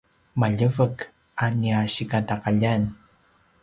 maljeveq a nia sikataqaljan